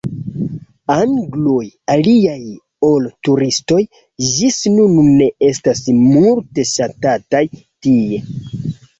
Angloj, aliaj ol turistoj, ĝis nun ne estas multe ŝatataj tie.